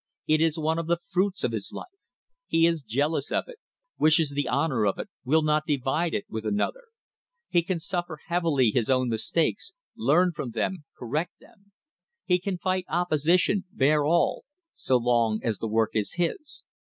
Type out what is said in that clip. It is one of the fruits of his life. He is jealous of it — wishes the honour of it, will not divide it with another. He can suffer heavily his own mistakes, learn from them, cor THE HISTORY OF THE STANDARD OIL COMPANY rect them. He can fight opposition, bear all — so long as the work is his.